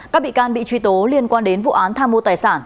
các bị can bị truy tố liên quan đến vụ án tham mô tài sản